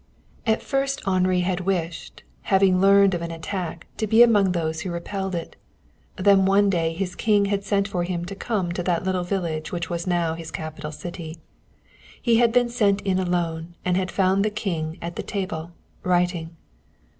At first Henri had wished, having learned of an attack, to be among those who repelled it. Then one day his King had sent for him to come to that little village which was now his capital city. He had been sent in alone and had found the King at the table, writing.